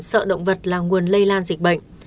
sợ động vật là nguồn lây lan dịch bệnh